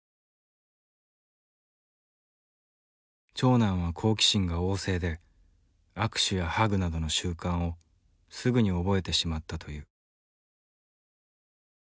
長男は好奇心が旺盛で握手やハグなどの習慣をすぐに覚えてしまったという。